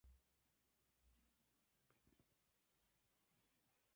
La militistoj alkondukis du ĉevalojn, sur kies seloj sidis alligitaj du viroj.